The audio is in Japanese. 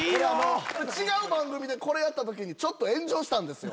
違う番組でこれやったときにちょっと炎上したんですよ。